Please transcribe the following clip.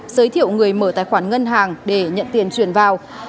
giới thiệu người mở tài khoản ngân hàng để nhận tiền chuyển vào